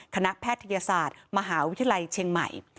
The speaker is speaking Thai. แพทยศาสตร์มหาวิทยาลัยเชียงใหม่